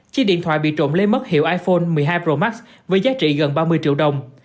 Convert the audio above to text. chiếc điện thoại bị trộm lấy mất hiệu iphone một mươi hai pro max với giá trị gần ba mươi triệu đồng